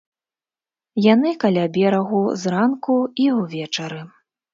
Яны каля берагу зранку і ўвечары.